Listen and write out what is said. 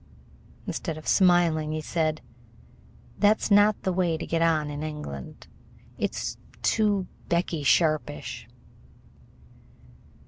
Instead of smiling, he said: "That's not the way to get on in England. It 's too Becky Sharpish."